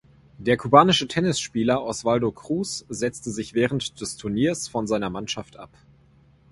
Der kubanische Tennisspieler Oswaldo Cruz setzte sich während des Turniers von seiner Mannschaft ab.